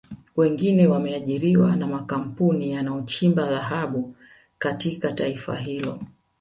Wengine wameajiriwa na makampuni yanayochimba dhahabu katika taifa hilo